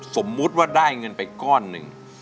สมมุติว่าได้เงินไปก้อนหนึ่ง